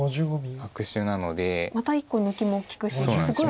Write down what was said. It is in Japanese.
また１個抜きも利くしすごい厚いですね。